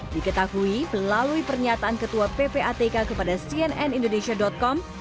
diketahui melalui pernyataan ketua ppatk kepada cnnindonesia com